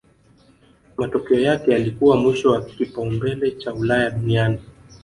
Matokeo yake yalikuwa mwisho wa kipaumbele cha Ulaya duniani